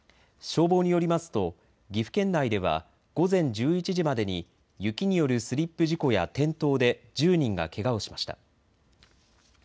消防によりますと岐阜県内では午前１１時までに雪によるスリップ事故や転倒で１０人がけがをしました。